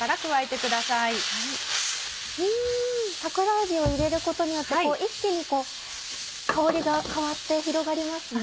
桜えびを入れることによって一気に香りが変わって広がりますね。